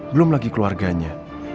belum lagi keluarganya